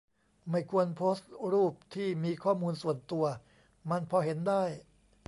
ไม่ควรโพสต์รูปที่มีข้อมูลส่วนตัว มันพอเห็นได้